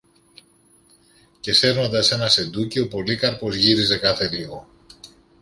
Και, σέρνοντας ένα σεντούκι, ο Πολύκαρπος γύριζε κάθε λίγο